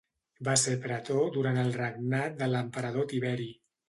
Va ser pretor durant el regnat de l'emperador Tiberi.